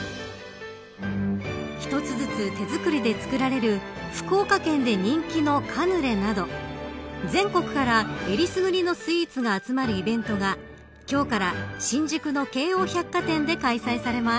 一つずつ手作りで作られる福岡県で人気のカヌレなど全国からえりすぐりのスイーツが集まるイベントが今日から新宿の京王百貨店で開催されます。